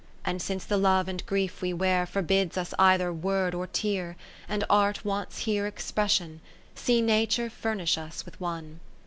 And since the love and grief we wear Forbids us either word or tear. And Art wants here expression, See Nature furnish us with one.